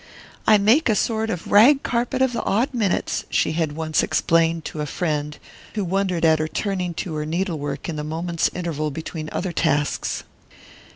"I make a sort of rag carpet of the odd minutes," she had once explained to a friend who wondered at her turning to her needlework in the moment's interval between other tasks.